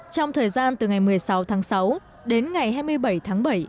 trong thời gian từ ngày một mươi sáu tháng sáu đến ngày hai mươi bảy tháng bảy